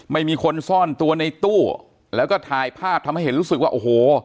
ไม่มีคนซ่อนตัวในตู้แล้วก็ถ่ายภาพทำให้เห็นรู้สึกว่าโอ้โห